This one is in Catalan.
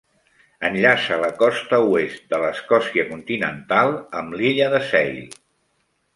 Enllaça la costa oest de l'Escòcia continental amb l'illa de Seil.